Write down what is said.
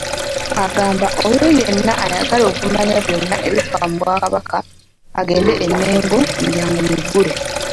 Agamba oyo yenna ayagala okumanya byonna ebifa mu Bwakabaka agende e Mengo emiryango miggule.